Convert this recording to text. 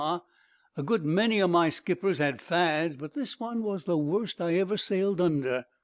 A good many o' my skippers had fads, but this one was the worst I ever sailed under.